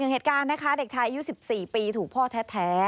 เหตุการณ์นะคะเด็กชายอายุ๑๔ปีถูกพ่อแท้